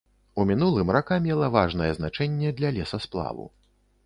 У мінулым рака мела важнае значэнне для лесасплаву.